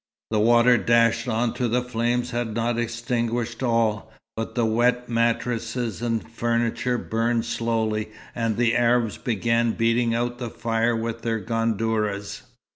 The water dashed on to the flames had not extinguished all, but the wet mattresses and furniture burned slowly, and the Arabs began beating out the fire with their gandourahs.